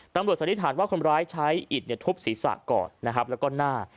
สันนิษฐานว่าคนร้ายใช้อิดทุบศีรษะก่อนนะครับแล้วก็หน้า